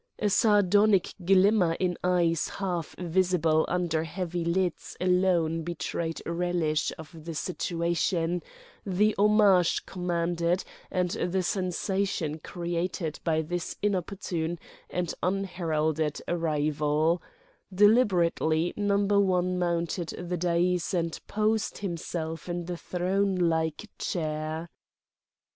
A sardonic glimmer in eyes half visible under heavy lids alone betrayed relish of the situation, the homage commanded and the sensation created by this inopportune and unheralded arrival: deliberately Number One mounted the dais and posed himself in the throne like chair.